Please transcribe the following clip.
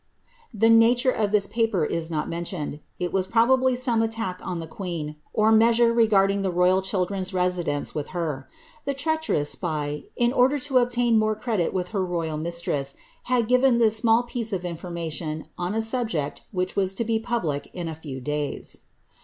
'* The nature of this paper is not mentioned. It was probably some attack on the queen, or measure regarding the royal children's residence vith her. The treacherous spy, in order to obtain more credit with her royal mistress, had given this small piece of information on a subject vhjch was to be public in a few days.